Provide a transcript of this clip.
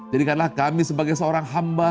jadikanlah kami sebagai seorang hamba